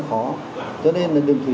thì chỉ có thể áp dụng